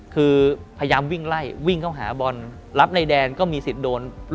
คือพยายามวิ่งไล่วิ่งเข้าหาบอลรับในแดนก็มีสิทธิ์โดน